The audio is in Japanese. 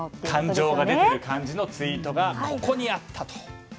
感情が出てる感じのツイートがここにあったと。